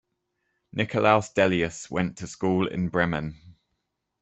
Nikolaus Delius went to school in Bremen.